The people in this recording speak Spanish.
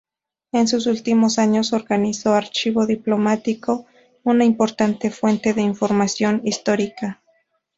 En sus últimos años organizó archivo diplomático, una importante fuente de información histórica.